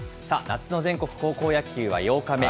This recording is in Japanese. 夏の全国高校野球は８日目。